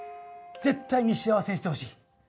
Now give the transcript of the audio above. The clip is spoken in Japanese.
ぜっ対に幸せにしてほしい。